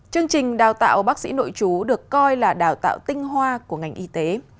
chương trình đào tạo bác sĩ nội chú được coi là đào tạo tinh hoa của ngành y tế